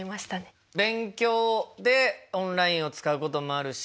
勉強でオンラインを使うこともあるし